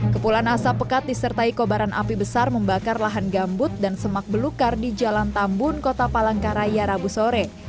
kepulan asap pekat disertai kobaran api besar membakar lahan gambut dan semak belukar di jalan tambun kota palangkaraya rabu sore